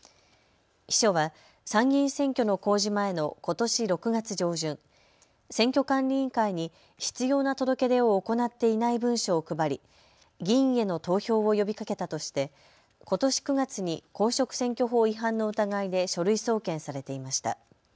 秘書は参議院選挙の公示前のことし６月上旬、選挙管理委員会に必要な届け出を行っていない文書を配り議員への投票を呼びかけたとしてことし９月に公職選挙法違反の疑いで書類送検されていました。